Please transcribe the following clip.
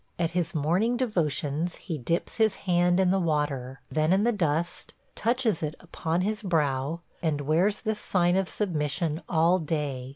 At his morning devotions he dips his hand in the water, then in the dust, touches it upon his brow, and wears this sign of submission all day.